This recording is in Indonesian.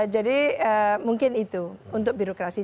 jadi mungkin itu untuk birokrasi